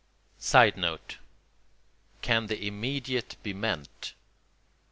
[Sidenote: Can the immediate be meant?